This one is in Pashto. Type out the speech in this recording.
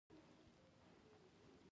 د سبو تازه والی د مصرفونکو رضایت لوړوي.